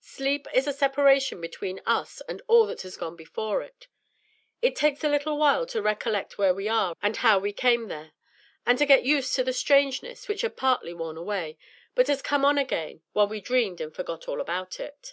Sleep is a separation between us and all that has gone before it. It takes a little while to recollect where we are and how we came there, and to get used to the strangeness which had partly worn away, but has come on again while we dreamed and forgot all about it.